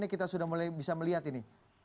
apa perbincangan yang kita sudah bisa melihat ini